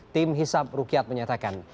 tim hisap rukyat menyatakan